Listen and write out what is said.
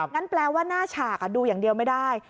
งั้นแปลว่าหน้าฉากดูอย่างเดียวไม่ได้